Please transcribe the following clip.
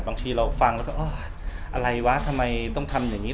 บางทีเราฟังแล้วก็อะไรวะทำไมต้องทำอย่างนี้